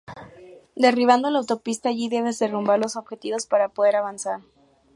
Derribando la Autopista: Allí debes derrumbar los objetivos para poder avanzar.